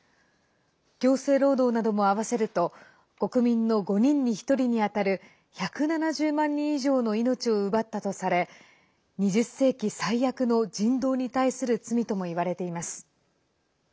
強制労働なども合わせると国民の５人に１人にあたる１７０万人以上の命を奪ったとされ２０世紀最悪の人道に対する罪ともいわれています。